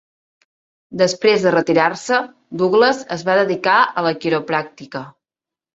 Després de retirar-se, Douglas es va dedicar a la quiropràctica.